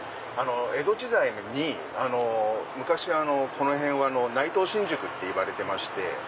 江戸時代に昔この辺は内藤新宿っていわれてまして。